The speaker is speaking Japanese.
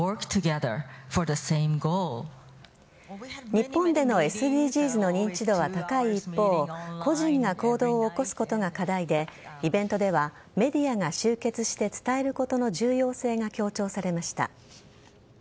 日本でのＳＤＧｓの認知度は高い一方個人が行動を起こすことが課題でイベントではメディアが集結して伝えることの重要性が強調されました。